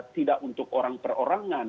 tidak untuk orang perorangan